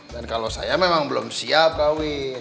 dan kalau saya memang belum siap kawin